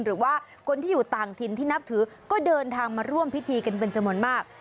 หรือว่าคนที่อยู่ต่างถิ่นที่นับถือก็เดินทางมาร่วมพิธีกันเป็นจำนวนมาก